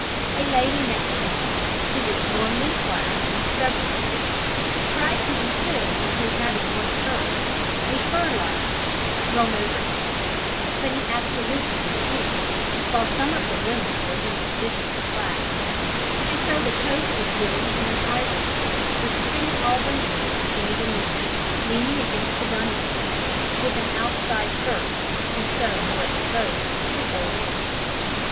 A lady next to him, who was warmly clad with several coats, tried to insist on his having one of hers a fur lined one thrown over him, but he absolutely refused while some of the women were insufficiently clad; and so the coat was given to an Irish girl with pretty auburn hair standing near, leaning against the gunwale with an "outside berth" and so more exposed to the cold air.